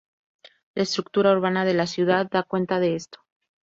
La estructura urbana de la ciudad da cuenta de esto.